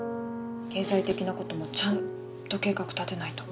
経済的なこともちゃんと計画立てないと。